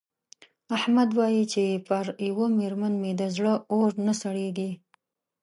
احمد وايې چې پر یوه مېرمن مې د زړه اور نه سړېږي.